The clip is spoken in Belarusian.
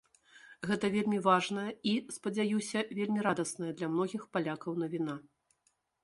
Гэта вельмі важная і, спадзяюся, вельмі радасная для многіх палякаў навіна.